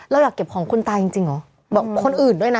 เราอยากเก็บของคนตายจริงเหรอบอกคนอื่นด้วยนะ